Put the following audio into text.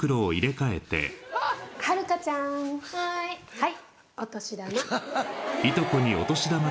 はい。